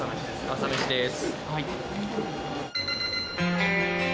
朝メシです。